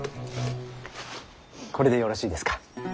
これでよろしいですか？